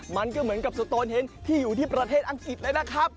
มันก็เหมือนกับสโตนเฮนดที่อยู่ที่ประเทศอังกฤษเลยนะครับ